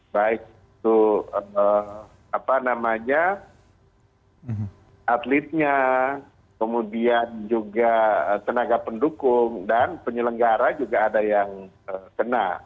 baik itu atletnya kemudian juga tenaga pendukung dan penyelenggara juga ada yang kena